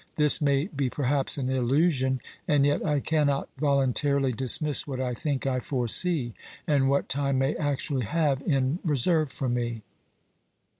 This may be perhaps an illusion, and yet I cannot voluntarily dismiss what I think I foresee, and what time may actually have in reserve for me.